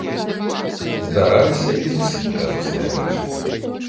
Здараліся і зусім казусныя рэчы.